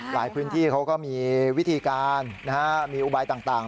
พื้นที่เขาก็มีวิธีการมีอุบายต่าง